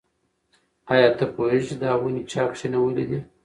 ایا ته پوهېږې چې دا ونې چا کینولي دي؟